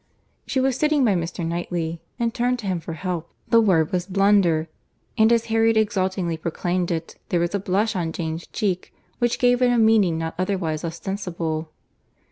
She was sitting by Mr. Knightley, and turned to him for help. The word was blunder; and as Harriet exultingly proclaimed it, there was a blush on Jane's cheek which gave it a meaning not otherwise ostensible.